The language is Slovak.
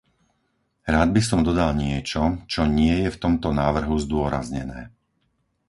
Rád by som dodal niečo, čo nie je v tomto návrhu zdôraznené.